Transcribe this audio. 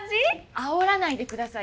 あおらないでください。